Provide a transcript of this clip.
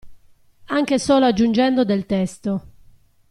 Anche solo aggiungendo del testo.